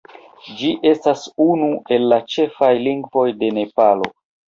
Ĝi estas unu el la ĉefaj lingvoj de Nepalo.